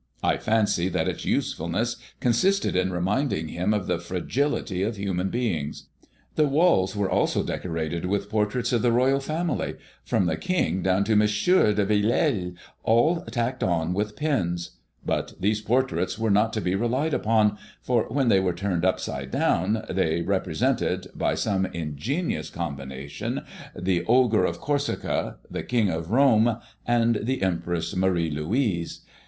I fancy that its usefulness consisted in reminding him of the fragility of human things. The walls were also decorated with portraits of the royal family, from the King down to M. de Villèle, all tacked on with pins. But these portraits were not to be relied upon, for when they were turned upside down, they represented, by some ingenious combination, the Ogre of Corsica, the King of Rome, and the Empress Marie Louise.